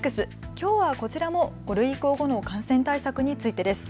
きょうはこちらも５類移行後の感染対策についてです。